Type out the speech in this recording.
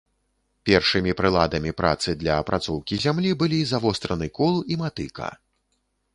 Першымі прыладамі працы для апрацоўкі зямлі былі завостраны кол і матыка.